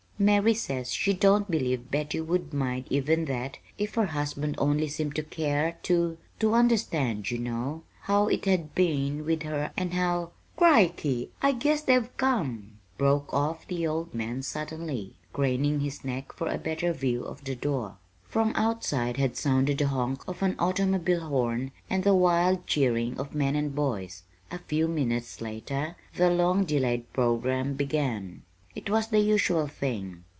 "Mary says she don't believe Betty would mind even that, if her husband only seemed to care to to understand, you know, how it had been with her and how Crickey! I guess they've come," broke off the old man suddenly, craning his neck for a better view of the door. From outside had sounded the honk of an automobile horn and the wild cheering of men and boys. A few minutes later the long delayed programme began. It was the usual thing.